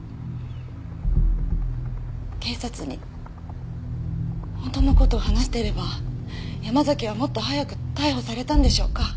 警察に本当の事を話していれば山崎はもっと早く逮捕されたんでしょうか？